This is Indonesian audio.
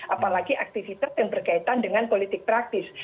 apalagi aktivitas yang berkaitan dengan politik praktis